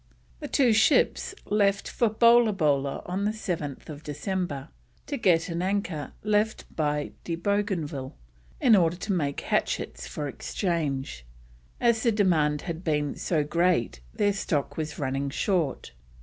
The two ships left for Bolabola on 7th December to get an anchor left by De Bougainville, in order to make hatchets for exchange, as the demand had been so great their stock was running short.